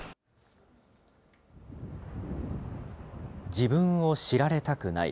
自分を知られたくない。